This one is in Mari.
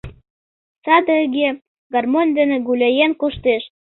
Садыге гармонь дене гуляен коштеш.